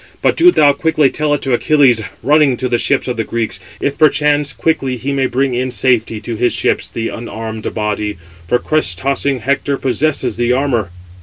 But do thou quickly tell it to Achilles, running to the ships of the Greeks, if perchance quickly he may bring in safety to his ships the unarmed body; for crest tossing Hector possesses the armour."